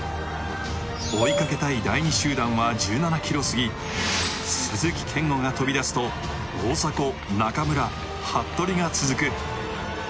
追いかけたい第２集団は１７ｋｍ過ぎ、鈴木健吾が飛び出すと、大迫、中村、服部が続く。